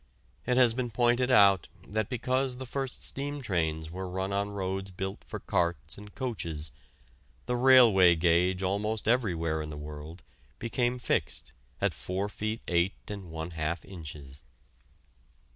It has been pointed out that because the first steam trains were run on roads built for carts and coaches, the railway gauge almost everywhere in the world became fixed at four feet eight and one half inches.